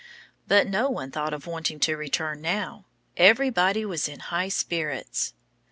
But no one thought of wanting to return now. Everybody was in high spirits.